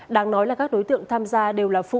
đáng nói là các đối tượng tham gia đều là phụ nữ